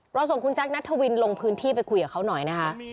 ส่งคุณแซคนัทวินลงพื้นที่ไปคุยกับเขาหน่อยนะคะ